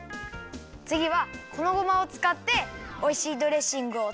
つぎはこのごまをつかっておいしいドレッシングをつくろう！